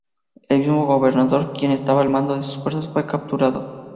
El mismo gobernador, que estaba al mando de sus fuerzas, fue capturado.